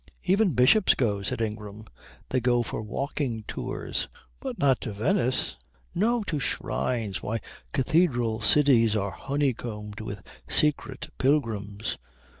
"Even bishops go," said Ingram. "They go for walking tours." "But not to Venice?" "No. To shrines. Why, Cathedral cities are honey combed with secret pilgrims."